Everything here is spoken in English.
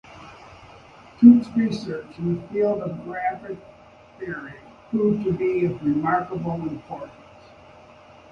Tutte's research in the field of graph theory proved to be of remarkable importance.